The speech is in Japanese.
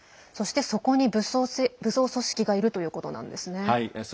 そこに武装組織がいるということなんですね。